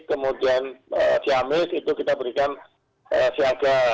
kemudian ciamis itu kita berikan siaga